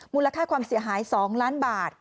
มูลค่าความเสียหาย๒ล้านบาท